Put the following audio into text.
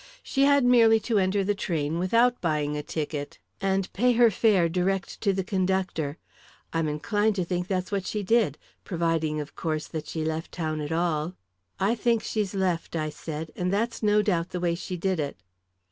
She had merely to enter the train without buying a ticket, and pay her fare direct to the conductor. I'm inclined to think that's what she did providing, of course, that she left town at all." "I think she's left," I said; "and that's no doubt the way she did it."